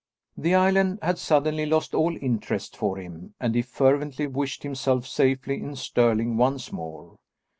The island had suddenly lost all interest for him and he fervently wished himself safely in Stirling once more.